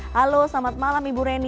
halo selamat malam ibu reni